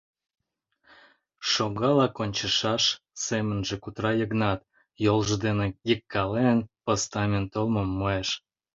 Шогалак ончышаш, — семынже кутыра Йыгнат, йолжо дене йыгкален, постамент олмым муэш.